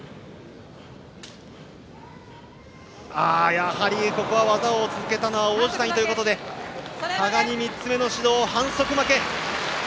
やはり、ここは技を続けたのは王子谷ということで羽賀に３つ目の指導、反則負け。